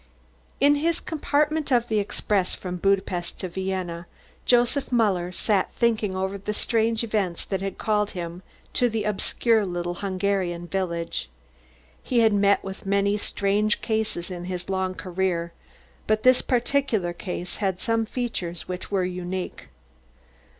In his compartment of the express from Budapest to Vienna, Joseph Muller sat thinking over the strange events that had called him to the obscure little Hungarian village. He had met with many strange cases in his long career, but this particular case had some features which were unique.